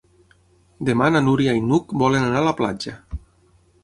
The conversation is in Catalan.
Demà na Núria i n'Hug volen anar a la platja.